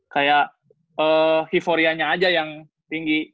kayak hiphorianya aja yang tinggi